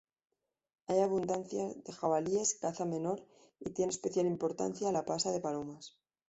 Hay abundancia de jabalíes, caza menor y tiene especial importancia la "pasa de palomas".